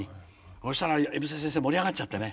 そしたら井伏先生盛り上がっちゃってね。